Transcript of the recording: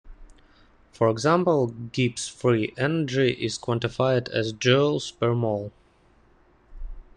For example, Gibbs free energy is quantified as joules per mole.